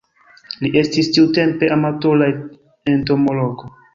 Li estis tiutempe amatora entomologo.